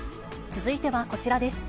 続いてはこちらです。